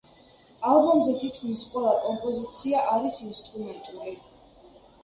ალბომზე თითქმის ყველა კომპოზიცია არის ინსტრუმენტული.